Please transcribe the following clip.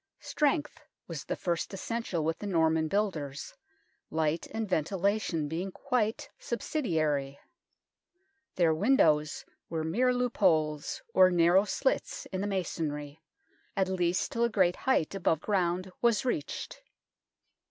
Strength was the first essential with the Norman builders, light and ventilation being quite subsidiary. Their windows were mere loop holes, or narrow slits in the masonry, at least till a great height above ground was reached.